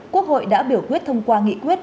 quốc hội đã biểu quyết thông qua nghị quyết